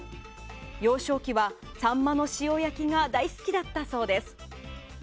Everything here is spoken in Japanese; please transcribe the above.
幼少期はサンマの塩焼きが大好きだったそうです。